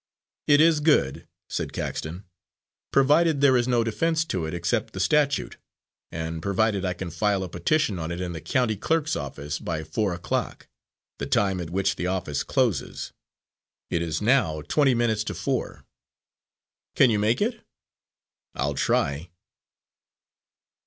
"It is good," said Caxton, "provided there is no defence to it except the statute, and provided I can file a petition on it in the county clerk's office by four o'clock, the time at which the office closes. It is now twenty minutes of four." "Can you make it?" "I'll try."